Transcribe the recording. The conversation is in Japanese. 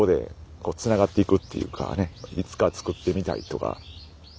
いつか作ってみたいとか。